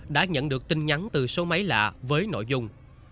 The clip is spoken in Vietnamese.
đã nhận được tin nhắn từ số máy lạ với nội dung